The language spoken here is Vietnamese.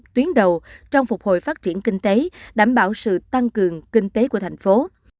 tuyến đầu trong phục hồi phát triển kinh tế đảm bảo sự tăng cường kinh tế của thành phố